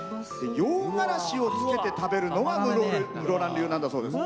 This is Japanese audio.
洋がらしをつけて食べるのが室蘭流なんだそうです。